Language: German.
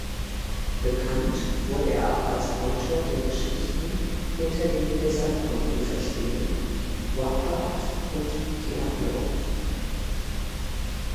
Bekannt wurde er auch als Autor der Geschichten hinter den Blizzard-Computerspielen "Warcraft" und "Diablo".